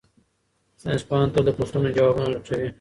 ساینس پوهان تل د پوښتنو ځوابونه لټوي.